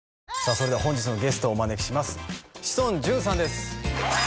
それでは本日のゲストをお招きします志尊淳さんです